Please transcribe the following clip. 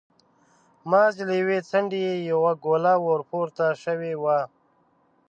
مازې له يوې څنډې يې يوه ګوله ور پورته شوې وه.